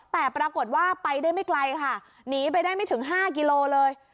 แต่ปรากฏว่าไปได้ไม่ไกลค่ะหนีไปได้ไม่ถึง๕กิโลเลย